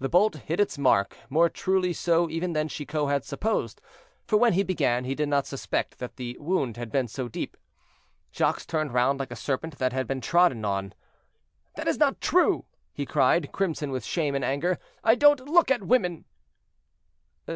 The bolt hit its mark, more truly so even than Chicot had supposed; for when he began, he did not suspect that the wound had been so deep. Jacques turned round like a serpent that had been trodden on. "That is not true," he cried, crimson with shame and anger, "I don't look at women."